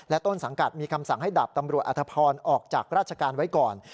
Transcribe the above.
ต้นสังกัดมีคำสั่งให้ดาบตำรวจอธพรออกจากราชการไว้ก่อน